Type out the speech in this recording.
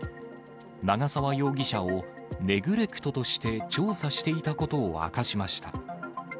長沢容疑者をネグレクトとして調査していたことを明かしました。